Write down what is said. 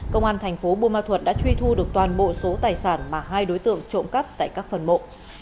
công an thành phố buôn ma thuật đã truy thu được toàn bộ số tài sản mà hai đối tượng trộm cắp tại các phần mộ